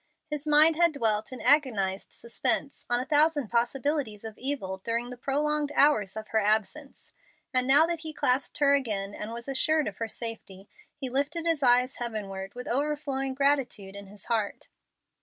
His mind had dwelt in agonized suspense on a thousand possibilities of evil during the prolonged hours of her absence, and now that he clasped her again, and was assured of her safety, he lifted his eyes heavenward with overflowing gratitude in his heart.